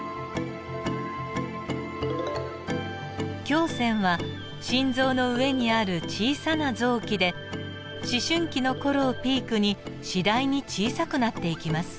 胸腺は心臓の上にある小さな臓器で思春期の頃をピークに次第に小さくなっていきます。